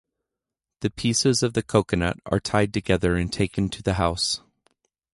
The pieces of the coconut are tied together and taken to the house.